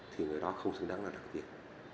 thì người đó không xứng đáng là đặc biệt